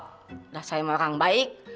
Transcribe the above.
sudah saya orang baik